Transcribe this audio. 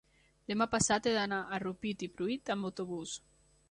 demà passat he d'anar a Rupit i Pruit amb autobús.